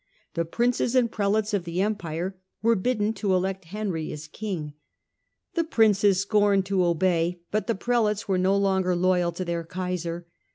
The Princes and Prelates of the Empire were bidden to elect Henry as King. The Princes scorned to obey, but the Prelates were no longer loyal to their Kaiser.